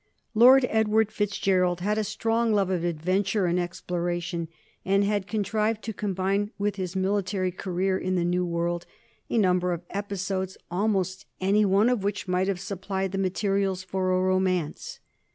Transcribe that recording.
Lord Edward Fitzgerald had a strong love of adventure and exploration, and had contrived to combine with his military career in the New World a number of episodes almost any one of which might have supplied the materials for a romance.